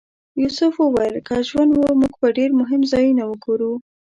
یوسف وویل که ژوند و موږ به ډېر مهم ځایونه وګورو.